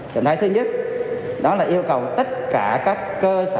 trạng thái thứ nhất đó là yêu cầu tất cả các cơ sở